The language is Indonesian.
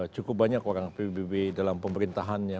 cukup banyak orang pbb dalam pemerintahannya